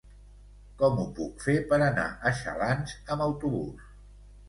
Com ho puc fer per anar a Xalans amb autobús?